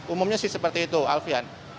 umumnya sih seperti itu alfian